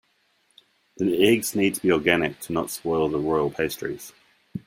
The eggs need to be organic to not spoil the royal pastries.